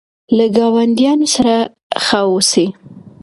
له ګاونډیانو سره ښه اوسئ.